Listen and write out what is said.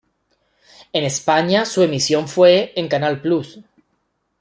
En España su emisión fue en Canal Plus.